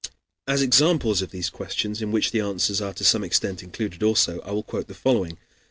As examples of these questions, in which the answers are to some extent included also, I will quote the following.